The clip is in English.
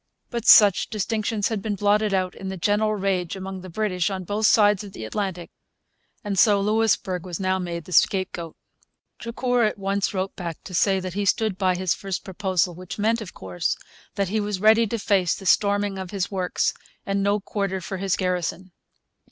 But such distinctions had been blotted out in the general rage among the British on both sides of the Atlantic; and so Louisbourg was now made the scapegoat. Drucour at once wrote back to say that he stood by his first proposal, which meant, of course, that he was ready to face the storming of his works and no quarter for his garrison.